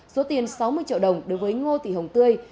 số tiền sáu mươi triệu đồng đối với ngô tị hồng tươi